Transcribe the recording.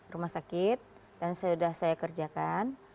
rumah sakit dan sudah saya kerjakan